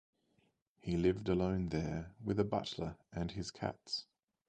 He lived alone there with a butler and his cats.